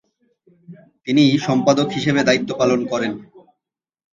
তিনি সম্পাদক হিসেবে দায়িত্ব পালন করেন।